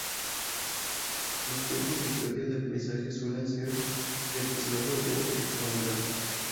Los cursos de historia del paisaje suelen ser de posgrado o "extra mural".